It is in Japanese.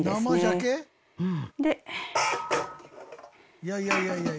いやいやいやいやいや。